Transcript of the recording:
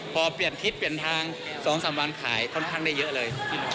พอเปลี่ยนทิศเปลี่ยนทาง๒๓วันขายค่อนข้างได้เยอะเลย